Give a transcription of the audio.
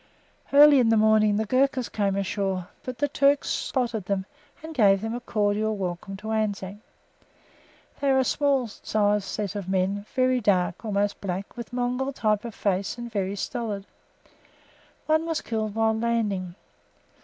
Early in the morning the Ghurkas came ashore, but the Turks spotted them, and gave them a cordial welcome to Anzac. They are a small sized set of men, very dark (almost black), with Mongol type of face and very stolid. One was killed while landing.